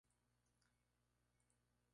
Se siente más como una aldea que como ciudad.